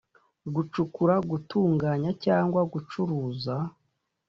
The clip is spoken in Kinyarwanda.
gucukura, gutunganya cyangwa gucuruza